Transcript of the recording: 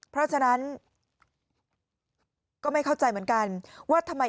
เพราะฉะนั้นก็ไม่เข้าใจเหมือนกันว่าทำไม